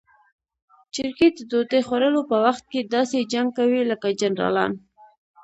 چرګې د ډوډۍ خوړلو په وخت کې داسې جنګ کوي لکه جنرالان.